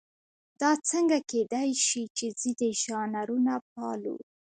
دا څنګه کېدای شي چې ځینې ژانرونه پالو.